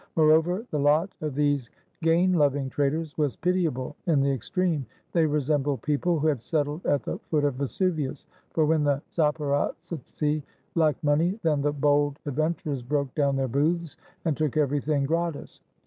Moreover, the lot of these gain loving traders was pitiable in the extreme. They resem bled people who had settled at the foot of Vesuvius; for when the Zaporozhtzi lacked money, then the bold ad venturers broke down their booths, and took everything gratis.